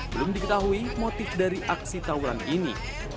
belum diketahui motif dari aksi tawuran ini